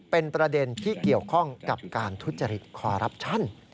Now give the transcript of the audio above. เป็นประเด็นที่เกี่ยวข้องกับการทุจริตคอรับชัน